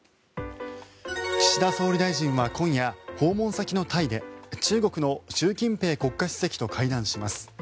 岸田総理大臣は今夜訪問先のタイで中国の習近平国家主席と会談します。